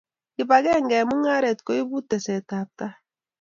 Kipakenge eng mungaret koibu tesetabtai